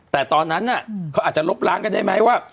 แต่ตอนนั้นเขาอาจจะลบล้างกันได้ไหมว่า